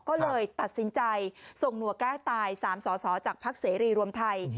ก็เลยตัดสินใจส่งหนวก้าตาย๓สอสอจากภักดิ์เสรีรวมไทย